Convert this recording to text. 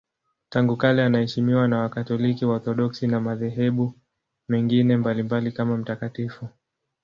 Tangu kale anaheshimiwa na Wakatoliki, Waorthodoksi na madhehebu mengine mbalimbali kama mtakatifu.